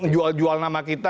jual jual nama kita